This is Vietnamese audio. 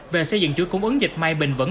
về xây dựng chuỗi cung ứng dịch may bình vẩ